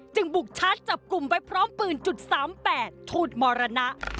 จึงบุกชัดจับกลุ่มไว้พร้อมปืน๓๘ทูดมรณะ